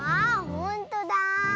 ほんとだ。